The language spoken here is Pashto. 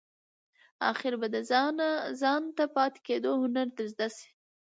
آخیر به د ځانته پاتې کېدو هنر در زده شي !